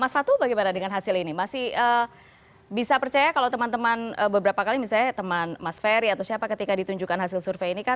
mas fatul bagaimana dengan hasil ini masih bisa percaya kalau teman teman beberapa kali misalnya teman mas ferry atau siapa ketika ditunjukkan hasil survei ini kan